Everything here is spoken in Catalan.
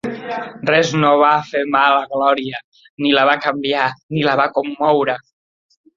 Res no va fer mal a Glòria, ni la va canviar, ni la va commoure.